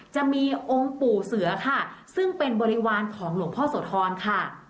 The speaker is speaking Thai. จะมีองค์ปู่เสือค่ะซึ่งเป็นบริวารของหลวงพ่อโสธรค่ะ